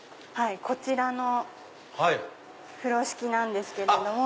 こちらの風呂敷なんですけれども。